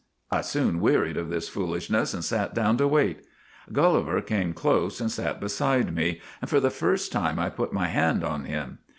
" I soon wearied of this foolishness and sat down to wait. Gulliver came close and sat beside me, and for the first time I put my hand on him.